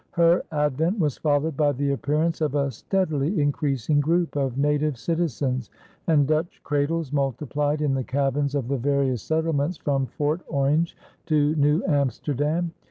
Her advent was followed by the appearance of a steadily increasing group of native citizens, and Dutch cradles multiplied in the cabins of the various settlements from Fort Orange to New Amsterdam.